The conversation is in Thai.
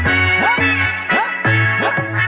พอเสียครอบชาติมาแล้ว